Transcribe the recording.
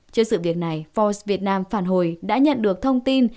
trước sự việc này force vietnam phản hồi đã nhận được thông tin